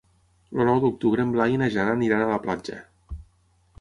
El nou d'octubre en Blai i na Jana aniran a la platja.